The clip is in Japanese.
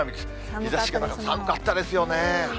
日ざしがなく寒かったですよね。